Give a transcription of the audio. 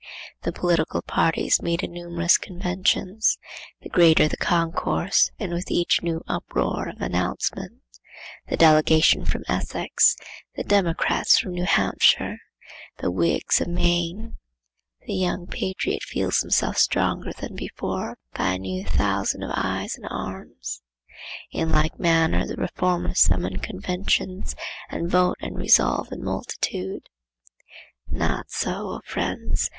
The political parties meet in numerous conventions; the greater the concourse and with each new uproar of announcement, The delegation from Essex! The Democrats from New Hampshire! The Whigs of Maine! the young patriot feels himself stronger than before by a new thousand of eyes and arms. In like manner the reformers summon conventions and vote and resolve in multitude. Not so, O friends!